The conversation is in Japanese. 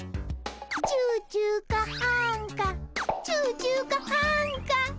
チューチューかあんかチューチューかあんか。